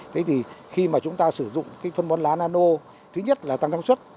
thế thì khi mà chúng ta sử dụng cái phân bón lá nano thứ nhất là tăng năng suất